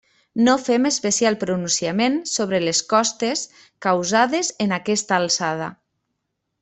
No fem especial pronunciament sobre les costes causades en aquesta alçada.